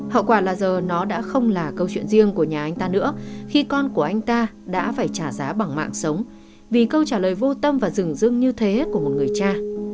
hậu quả là giờ nó đã không là câu chuyện riêng của nhà anh ta nữa khi con của anh ta đã phải trả giá bằng mạng sống vì câu trả lời vô tâm và rừng dưng như thế của một người cha